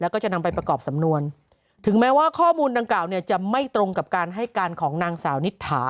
แล้วก็จะนำไปประกอบสำนวนถึงแม้ว่าข้อมูลดังกล่าวเนี่ยจะไม่ตรงกับการให้การของนางสาวนิษฐา